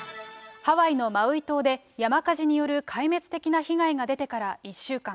ハワイのマウイ島で山火事による壊滅的な被害が出てから１週間。